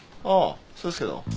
あーそうですけど。